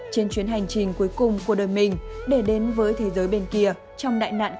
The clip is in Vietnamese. trên chuyến hành trình cuối cùng của đời mình để đến với thế giới bên kia trong đại nạn covid một mươi chín lần này